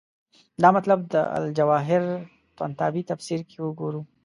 دا مطلب د الجواهر طنطاوي تفسیر کې وګورو.